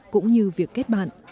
cũng như việc kết bạn